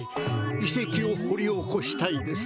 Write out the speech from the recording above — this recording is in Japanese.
いせきをほり起こしたいです。